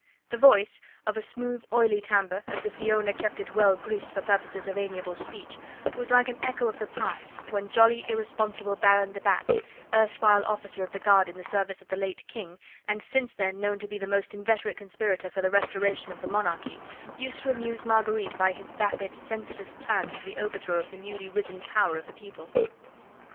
The voice, of a smooth, oily timbre, as if the owner kept it well greased for purposes of amiable speech, was like an echo of the past, when jolly, irresponsible Baron de Batz, erst while officer of the Guard in the service of the late King, and since then known to be the most inveterate conspirator for the restoration of the monarchy, used to amuse Marguerite by his vapid, senseless plans for the overthrow of the newly risen power of the people.